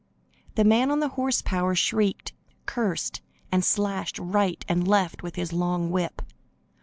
The man on the horse power shrieked, cursed and slashed right and left with his long whip.